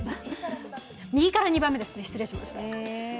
右から２番目ですね、失礼しました。